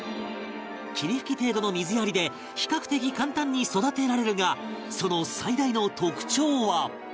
霧吹き程度の水やりで比較的簡単に育てられるがその最大の特徴は